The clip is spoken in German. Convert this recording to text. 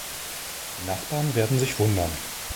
Die Nachbarn werden sich wundern.